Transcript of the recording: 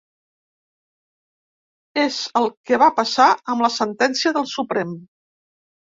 És el que va passar amb la sentència del Suprem.